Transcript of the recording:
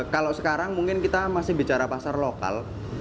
kalau sekarang mungkin kita masih bicara pasar lokal